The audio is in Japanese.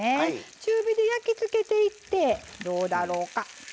中火で焼きつけていってどうだろうか。